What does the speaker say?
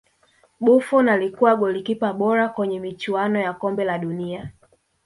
buffon alikuwa golikipa bora kwenye michuano ya kombe la dunia